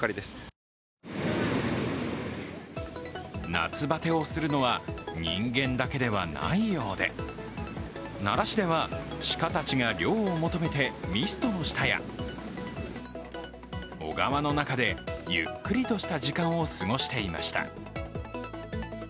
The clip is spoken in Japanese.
夏バテをするのは人間だけではないようで奈良市では、鹿たちが涼を求めてミストの下や小川の中でゆっくりとした時間を過ごしていました。